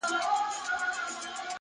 چي روږدي سوی له کوم وخته په گيلاس يمه.